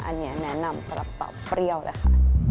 อันนี้แนะนำสำหรับเต่าเปรี้ยวเลยค่ะ